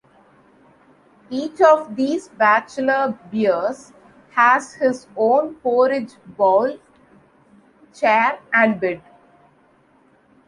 Each of these "bachelor" bears has his own porridge bowl, chair, and bed.